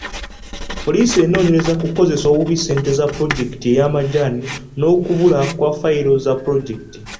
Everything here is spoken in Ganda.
Poliisi enoonyereza ku kukozesa obubi ssente za pulojekiti y'amajaani n'okubula kwa ffayiro za pulojekiti.